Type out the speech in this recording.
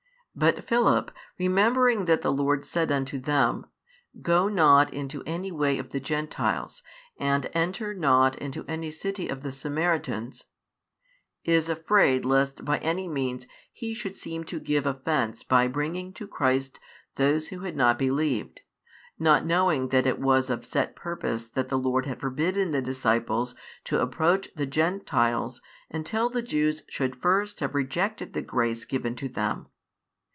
But Philip, remembering that the Lord said unto them: Go not into any way of the Gentiles, and enter not into any city of the Samaritans, is afraid lest by any means he should seem to give offence by bringing to Christ those who had not believed, not knowing that it was of set purpose that the Lord had forbidden the disciples to approach the Gentiles until the Jews should first have rejected the grace given to them.